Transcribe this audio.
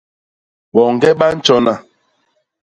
Boñge ba ntjona.